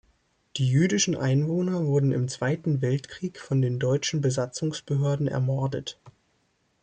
Die jüdischen Einwohner wurden im Zweiten Weltkrieg von den deutschen Besatzungsbehörden ermordet.